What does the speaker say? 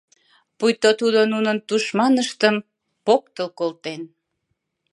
Пуйто тудо нунын тушманыштым поктыл колтен.